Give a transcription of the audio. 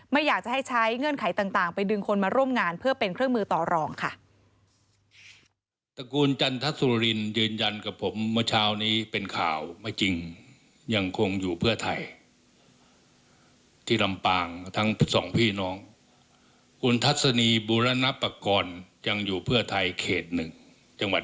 ไม่อยากจะให้ใช้เงื่อนไขต่างไปดึงคนมาร่วมงานเพื่อเป็นเครื่องมือต่อรองค่ะ